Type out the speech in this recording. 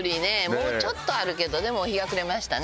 もうちょっとあるけどでも日が暮れましたね。